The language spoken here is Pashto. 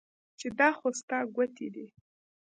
چې دا خو ستا ګوتې دي